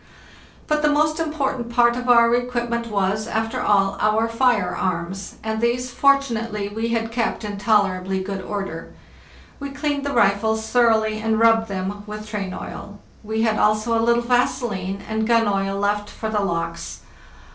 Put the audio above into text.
But the most important part of our equipment was, after all, our firearms, and these, fortunately, we had kept in tolerably good order. We cleaned the rifles thoroughly and rubbed them with train oil. We had also a little vaseline and gun oil left for the locks.